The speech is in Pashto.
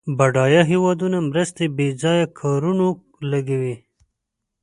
بډایه هېوادونه مرستې په بیځایه کارونو لګوي.